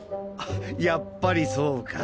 やっぱりそうか。